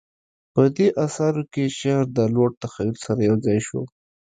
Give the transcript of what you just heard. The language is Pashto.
په دې اثارو کې شعر د لوړ تخیل سره یوځای شو